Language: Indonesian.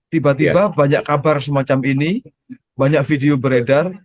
tiba tiba banyak kabar semacam ini banyak video beredar